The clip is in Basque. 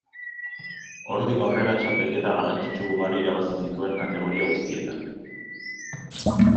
Hortik aurrera txapelketa garrantzitsu ugari irabazi zituen kategoria guztietan.